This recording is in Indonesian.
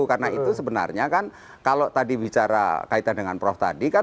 karena itu sebenarnya kan kalau tadi bicara kaitan dengan prof tadi kan